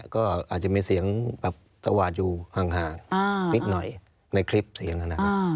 อาจจะมีเสียงตะวัดอยู่ห่างนิดหน่อยในคลิปเสียงขนาดนั้น